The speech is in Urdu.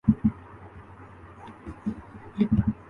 ممتاز شاعرہ فہمیدہ ریاض شدید علالت کے باعث انتقال کر گئیں